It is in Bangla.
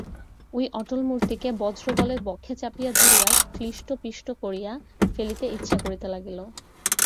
ঐ অটল মূর্তিকে বজ্রবলে বক্ষে চাপিয়া ধরিয়া ক্লিষ্ট পিষ্ট করিয়া ফেলিতে ইচ্ছা করিতে লাগিল।